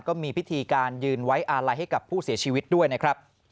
ก็มีพิธีการยืนไว้อาลัยให้กับผู้เสียชีวิตด้วยนะครับ